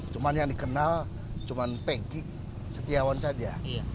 cuma yang dikenal cuma pegi setiawan saja